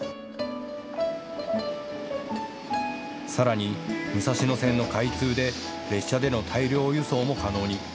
さらに武蔵野線の開通で列車での大量輸送も可能に。